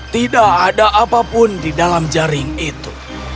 tidak ada apapun di dalam jaring itu